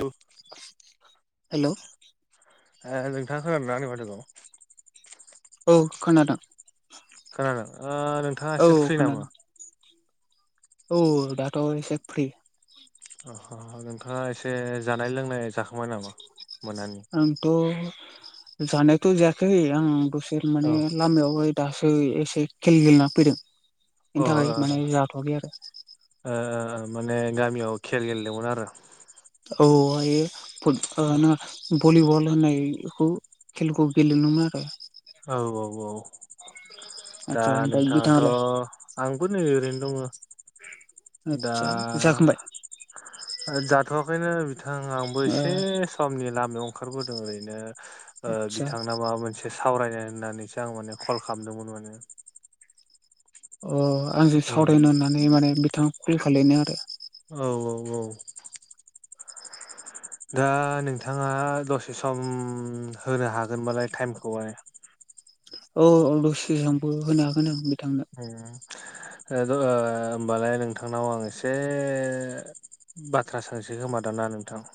औ हेल' ए नोंथाङा खोनादोंना औ खोनादों खोनादों नोंथाङा औ एसे फ्रि नामा खोनादों औ दाथ' एसे फ्रि अ नोंथाङा एसे जानाय लोंनाय जाखोबाय नामा मोनानि जानायथ' जायाखै आं बोसोर औ माने अ लामायावहाय दासो एसे खेल गेलेना फैदों। ओ बिनि थाखाय माने लाथयाखै आरो ओ माने गामियाव खेल गेलेदोंमोन आरो औ औ आयो फुथ ओ ना भलिबल होनायखौ खेलखौ गेलेनोमोन आरो औ औ औ। दा आदसा ओमफ्राय नोंथाङाथ' बिथाङालाय आंबो नै ओरैनो दङ। दा आदसा जाखांबाय ओ जाथयाखैनो बिथां आंबो ओ एसे समनि लामायाव ओंखारबोदों ओरैनो ओ आदसा बिथांना माबा मोनसे सावरायनो होननानैसो आं माने कल खालामदोंमोन माने अ आंजों सावरायनो होननानै माने बिथाङा कल खालायनो आरो औ औ औ दा नोंथाङा दसे सम होनो हागोनबालाय टाइमखौहाय। [inaudible] औ औ दसे समबो होनो हागोन आं बिथांनो उम ओ द ओ होमबालाय नोंथांनाव आं एसे बाथ्रा सोंसै खोमादां दा नोंथां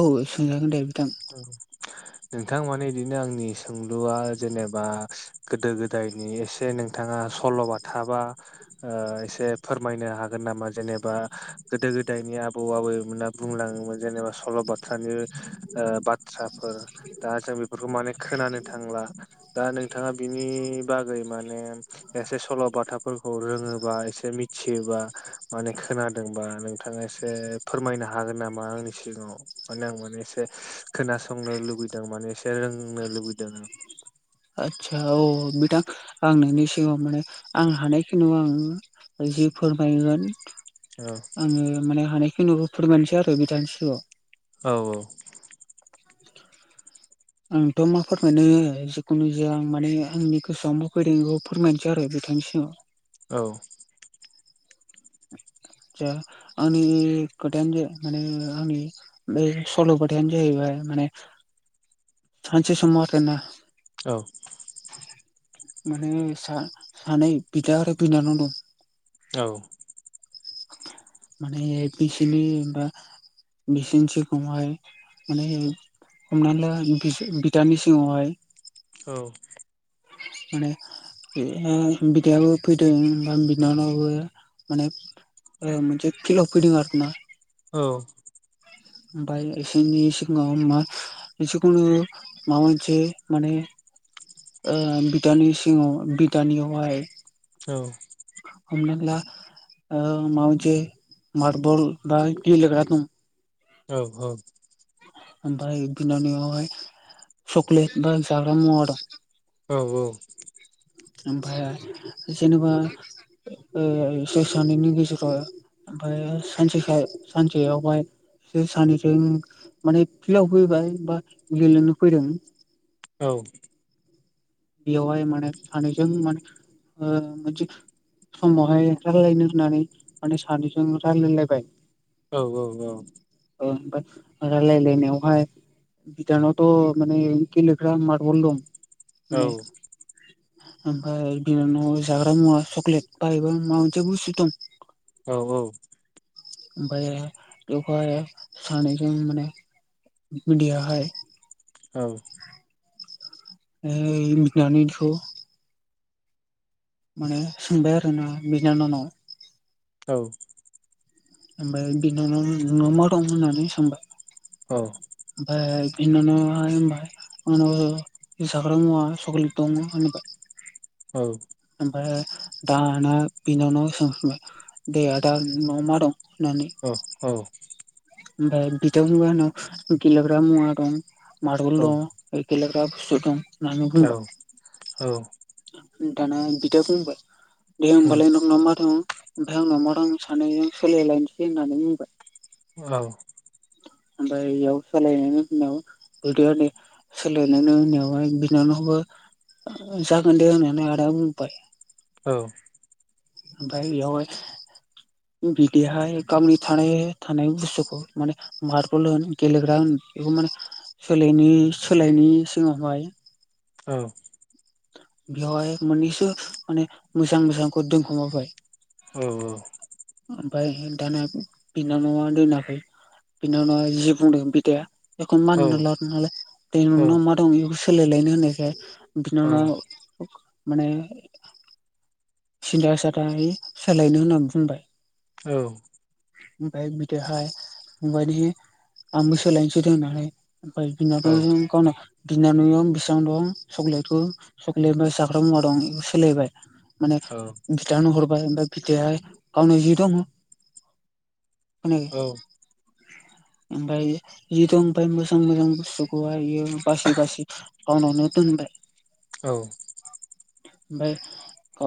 औ सोंजागोन दे बिथां औ। नोंथां माने इदिनो आंनि सोंलुया जेनेबा गोदो गोदायनि एसे नोंथाङा सल'बाथाबा ओ एसे फोरमायनो हागोन नामा जेनेबा गोदो गोदायनि। नि आबौ आबैमोना बुंलाङोमोन जेनेबा सल बाथ्राखो ओ बाथ्राफोर दा जों बेफोरखौ माने खोनानो थांला दा नोंथाङा बिनि नि बागै माने एसे सल बाथाफोरखौ रोङोबा एसे मिथियोबा माने खोनादोंबा नोंथाङा एसे फोरमायनो हागोन नामा आंनि सिगाङाव माने आं माने एसे खोनासंनो लुुबैदों माने एसे रोंनो लुबैदों। आदसा औ बिथां आं नोंनि सिगाङाव माने आं हानायखिनु आं। जि फोरमायगोन आङो माने हानायखिनिखौ फोरमायनोसै आरो बिथांनि सिगाङाव औ औ [inaudible] आंथ मा फोरमायनो जिखुनु जाया आं माने आंनि गोसोयाव मा फैदों बिखौ फोरमायनोसै आरो बे थां नि सिगांआव औ [inaudible] जा आंनि खोथायानो जा माने आंनि बे सल बाथायानो जाहैबाय माने [inaudible] सानसे समाव आरोना औ माने सा सानै बिदा आरो बिनानाव दं। औ [inaudible] माने बिसिनि बा बिसिनि थिरखौहाय माने हमना ला बिस बिदानि सिङावहाय औ माने बि ओ बिदायाबो फैदों ओ बिनानावाबो माने ओ मोनसे फ्रियाव फैदों आरोना औ ओमफाय एसोरनि सिगाङाव मा जिखुनु माबा मोनसे माने ओ बिदानि सिङाव बिदानियावहाय औ ना ओ मावजि मारबल दा गेलेग्रा दं। औ औ ओमफाय बिनानावहाय चक्लेट बा जाग्रा मुवा दं। औ ओमफाय जेनेबा ओ बिसोर सानैनि गेजेराव ओमफाय सानसेखायि सानसेयावहाय इसोर सानैजों माने फिल्डआव फैबाय बा गेलेनो फैदों औ बेयाव हाय माने सानैजों माने ओ मोनसे। समावहाय रालायनो होननानै माने सानैजों रायलायलायबाय औ औ औ ओमफाय रायलायलायनायावहाय बिदा नावथ माने गेलेग्रा मारबल दं। औ ओमफाय बिनानावया जाग्रा मुवा चक्लेट बायबा माबा मोनसे बुस्तु दं। औ औ ओमफाय बेयाव सानै जों माने। बिदायाहाय औ ओ [unintelligible] माने सोंबाय आरोना बिनिनानाव नाव। औ ओमफाय बिनानावनो नोंनाव मा दं होननानै सोंबाय औ औ ओमफाय बिनानावहाय होनबाय आंनाव जाग्रा मुवा सक्लेट दं होनबाय उम ओमफाय दाना बिनावनाव सोंफिनबाय दे आदा नआव मा दं अ औ ओमफाय बिदाङा बुंबाय आंनाव गेलेग्रा मुवा दं मारबल दं गेलेग्रा सुथं औ औ दाना बिदा बुंबाय दे उम होमबालाय नोंनाव मा दं ओमफ्राय आंनाव मा दं सानैजों सोलायलायनोसै होननानै बुंबाय औ ओमफ्राय बेयाव सोलायनायनि उनाव बिदि आरोै सोलायनायनि उनावहाय बिनानाव। बो जागोन दे होननानै आदा बुंबाय औ ओमफाय बेयाव हाय। बिदिहाय गावनि थानाय थानाय बुस्थुखौ माने मार्बल होन गेलेग्रा होन बेखौ माने सोलायनि सोलायनि सिगावहाय औ बेवहाय मोननैसो माने मोजां मोजांखौ दोनखोमाबाय। औ औ ओमफाय दाना बिनानावया दोनाखै बिनानावा जि बुंदों बिदाया बेखौनो मानिना लादों नालाय दे नोंनाव मा दं बेखौ सोलायलायनो होननायखाय बिनानावनाव माने [inaudible] सिन्था सादाय सोलायनो होनना बुंबाय ओमफाय बिदिहाय बायदि आंबो सोलायनोसै दों नालाय ओमफाय बिनागाजों गावना बिनानावजों बिसेबां दं स [unintelligible] सक्लेट बा जाग्रा मुवा दं बेखौ सोलायबाय माने बिदानो हरबाय ओमफ्राय बिदाया गावनि जि दङ औ ओमफाय जि दं ओमाय मोजां मोजां बुस्थुखौहाय इयो बासि बासि गावनावनो दोन [inaudible] औ ओमफाय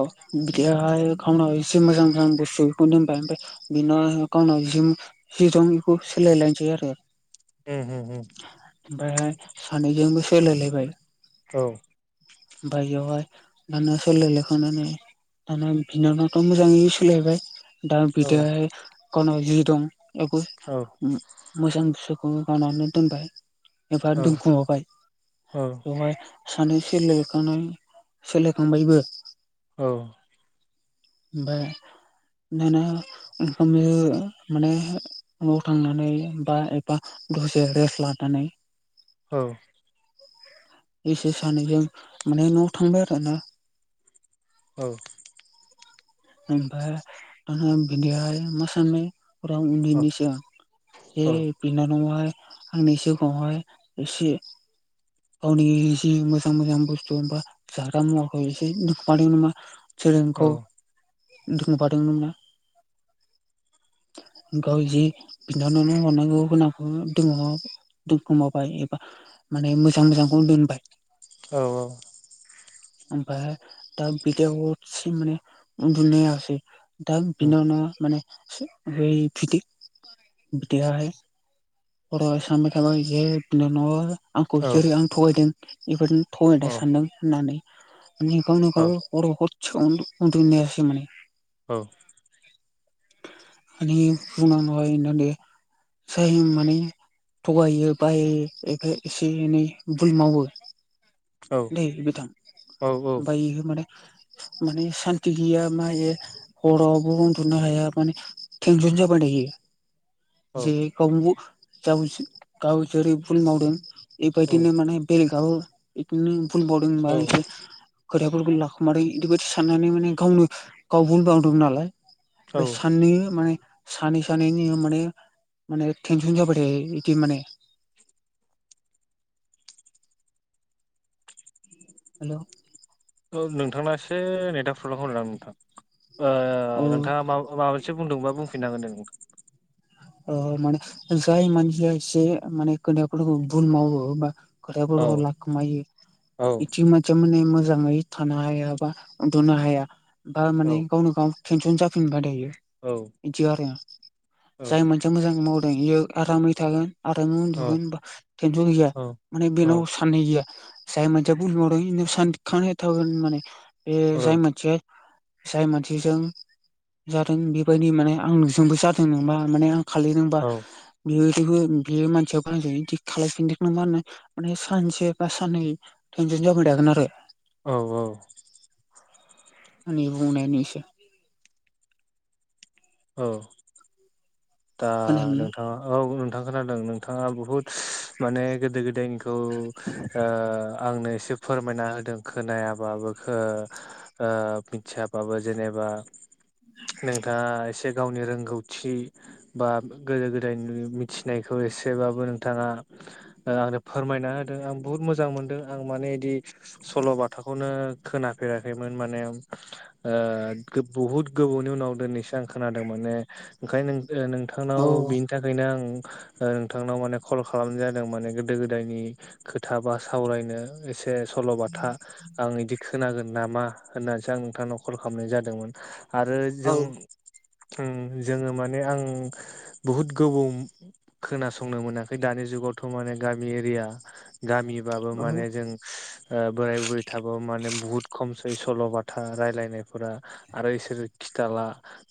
औ बिदिहाय [unintelligible] एसे मोजां मोजां बुस्थुफोरखौ दोनबाय ओमफ्राय [unintelligible] जि दं बेखौ सोलायलायनोसै आरो। [inaudible] ओमफ्रायहाय सानैजोंबो सैलाय लायबाय। [unintelligible] माने [unintelligible] दाना बिनानावथ मोजाङै सोलाबाय दा बिदायाहाय गावनाव जि दं ए मोजां बुस्थुखौ गारनानै दोनबाय एबा दोनखुमाबाय। बेवहाय सानै सोलोखांनाय सोलोखांबायबो औ ओमफाय दाना ओंखाम माने न'आव थांनानै बा एबा दसे रेस्ट लानानै औ एसे सानैजों माने न'आव थांबाय आरोना ओमफाय दाना बिदिहाय मा सानबाय औ उन्दैनिसिम आं। बे औ औ बिनानावा हाय आंनि सिगाङाव हाय एसे गावनि एसे मोजां मोजां बुस्थु मोनबा जाग्रा मुवाखौ एसे दुखुमादों नामा सोरों औ औ। दुं फादोंमोन ना? [inaudible] गाव जि बिनानावनो हरनांगौ होनांखौ दोननो दोनखुमाबबाय एबा माने मोजां मोजांखौनो दोनबाय। औ औ। ओमफाहाय दा बिदयाव सि माने उन्दुनायासै दा बिनानावा माने सि बै फिथि बिखाया हाय [unintelligible] आंखौ औ जेरै आं थगायदों बेफोरनो औ थगायदो सानदों होननानै निखाव औ निखाव हराव हदसे उन्दु उन्दुनो हायासै माने। औ। [unintelligible] जाय माने थगायो बाय एसे एनै भुल मावो दै बिथां औ ओफाय इयो माने। माने सान्थि गैया मायो हरावबो उन्दुनो हाया माने टेनसन जाबाय थायो। औ जे [unintelligible] गाव गाव जेरै भुल मावदों औ बिदिनो माने [unintelligible] एसे खोथाफोरखौ लाखुमादों इदिबायदि साननानै माने गावनो गाव बुंबांदों नालाय बै औ साननि माने सानै सानै नो माने माने थेनसन जाबाय थायो इदि माने। [inaudible] हेल'। औ नोंथां ना एसे नेथक प्रब्लेमखोमदां नोंथां औ ओ नोंथाङा माब माब बुंदोंबा बुंफिननो हागोन दे नोंथां। अ अ माने जाय मानसिया इसे माने खोनदायाव खोलु गुबुं भुमाव ओ औ खोथाफोरखौ लाखोमायो औ इथिं‌ मानसिया माने मोज मोजाङै थानो हाया बा उन्दुनो हाया बा औ माने गावनो गाव टेनसन जाफिनबाय थायो। औ बिदि आरो। औ जाय मोनसिया मोजाङै मावदों इयो आरामै थागोन। आरो नों औ उन्दुगोन होनबा टेनसन गैया माने बेनाव साननाय गैया जाय मानसिया बुलमावदों इनो सान दिखां एथाबो माने बे जाय मानसिया जाय मानसिजों जादों बेबायदि माने आं नुजोंबो जादों नोबा माने आं खालि नांबा बियो [unintelligible] बे मानसिया बाहाय [unintelligible] खालायफिननायखौ मा होनो माने सानसे बा साननै [unintelligible] आरो औ औ आ नेबावनायानो एसे औ दा खोनादोंना नोंथाङा औ दा खोनादों नोंथाङा बुहुत माने गोदो गोदायनिखौ ओ आंनो एसे फोरमायना होदों खोनायाबाबो मिथियाबाबो जेनेबा बा नोंथाङा एसे गावनि रोंगौथि बा गोदो गोदायनि मिथिनायखौ एसेबाबो नोंथाङा आंनो फोरमाय फोरायना होदो आं बुहुत मोजां मोनदो आं माने इदि सल' बाथाखौनो खोनाफेराखैमोन मान नायाव बुहुद गोबावनि उनाव दिनैसो आं खोनानो मोनो ओंखायनो ए नोंथांनाव औ बिनि थाखायनो आं ओ नोंथांनाव माने कल खालामनाय जादों माने गोदो गोदायनि खोथा बा सावरायनो एसे ए सल बाथा आं इदिख खोनागोन नामा होननानैसो आं नोंथांनाव कल खालामनाय जादोंमोन आरो औ जों जोङो मा ने आं बुहुत गोबाव खोनासंनो मोनाखै दानि जुगावथ' माने गामि एरि गिया गामिबाबो औ माने जों ओ बोराय बुरै थाबो माने बुहुद खमसै सल'बाथा रायलायनायफोरा आरो इसोर खिथाला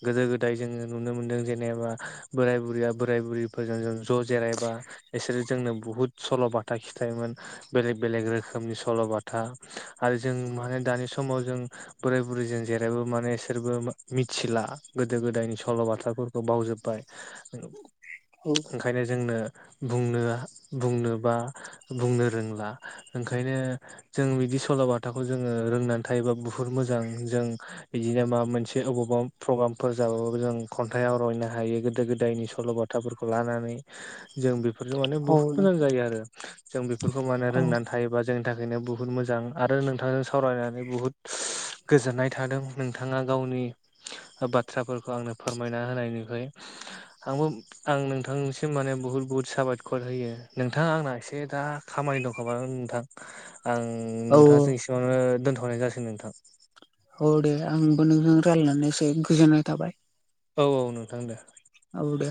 गोदो गोदाय जों नो नुनो मोनदों जे नेबा बोराय बुरैया बोराय बुरफोरजों जों ज' जिरायबा इसोर जोंनो बुहुद सल' बा बाथा खिथायोमोन बेलेग बेलेग रोखोमनि सल' बाथा आरो जों माने दानि समाव जों बोर बुरै जों जेरबो माने इसोरबो मिथिला गोदो गोदायनि सल' बाथाखौ खो बावजोब्बाय ओं औ ओंखायनो जोंनो बुंनो बुंनो बा बुंनो रोंला ओंखायनो जों बि बिदि सल बाथाखौ जोङो रोंनानै थायोबा बुहुत मोजां जों बिदिनो मा मोनसे अबावबा फ्र अ आमफोरबो जाबाबो जों खन आइ आवरायनो हायो गोदो गोदायनि सल बाथाफोरखौ लानानै जों बे जों माने औ बुहुत मोजां जायो आरो जों बेफोरखौ माने रोंनानै थायोबा जोंनि थाखायनो बुहुत मोजां आरो नोंथांजों सावरायनानै बुहुद गोजोननाय थादों नोंथाङा गावनि बाथ्राफोरखौ आंनो फोरमायना होनायनिफ्राय आंबो आं नोंथांनिसिम माने बुहुद बुहुद साबायखर होयो नोंथाङा आंना एसे दा खामा बाय दंखोमा ओं नोंथां आं औ नोंथांजों एसेवनो दोनथ'नाय जासिगोन नोंथां औ दे आंबो नोंजों रायलायनानै एसे गोजोननाय थाबाय। औ औ नोंथां दे ओ दे